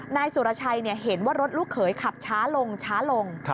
นายสุรชัยเห็นว่ารถลูกเขยขับช้าลงช้าลง